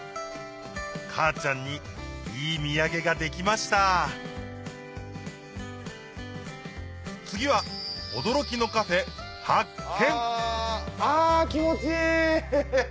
母ちゃんにいい土産ができました次は驚きのカフェ発見！